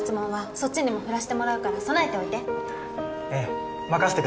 そっちにも振らしてもらうから備えておいてええ任せてください